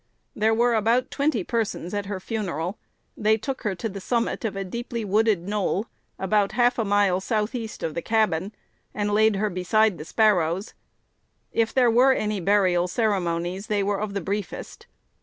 There were about twenty persons at her funeral. They took her to the summit of a deeply wooded knoll, about half a mile south east of the cabin, and laid her beside the Sparrows. If there were any burial ceremonies, they were of the briefest.